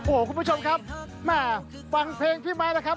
โอ้คุณผู้ชมครับมาฟังเพลงพี่มายนะครับ